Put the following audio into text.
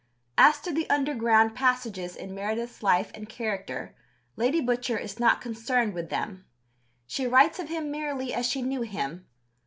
As to the underground passages in Meredith's life and character, Lady Butcher is not concerned with them. She writes of him merely as she knew him.